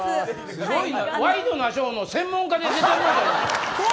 ワイドナショーの専門家で来てください。